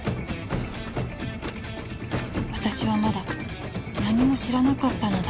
私はまだ何も知らなかったのだ